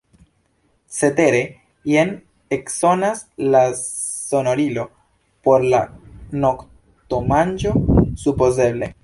Cetere, jen eksonas la sonorilo; por la noktomanĝo, supozeble.